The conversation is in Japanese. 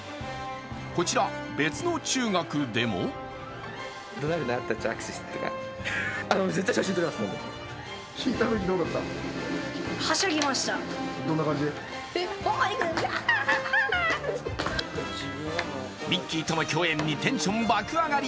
こちら、別の中学でもミッキーとの共演にテンション爆上がり。